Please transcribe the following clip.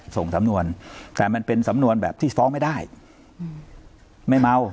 ส่งสำนวนแต่มันเป็นสำนวนแบบที่ฟ้องไม่ได้ไม่เมา